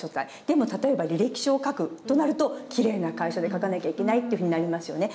でも例えば履歴書を書くとなるときれいな楷書で書かなきゃいけないっていうふうになりますよね。